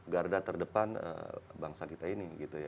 garda terdepan bangsa kita ini gitu ya